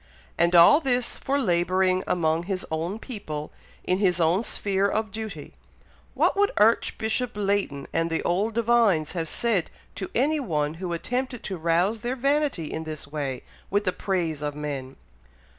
and all this, for labouring among his own people, in his own sphere of duty! What would Archbishop Leighton and the old divines have said to any one who attempted to rouse their vanity in this way, with the praise of men?"